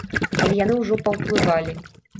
Але яны ўжо паўплывалі.